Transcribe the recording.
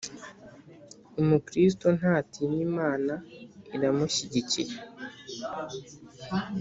Umukristo ntatinya Imana iramushyigikiye